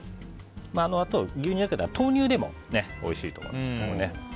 牛乳がなければ豆乳でもおいしいと思います。